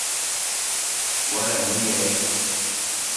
Guarani ñe'ẽ.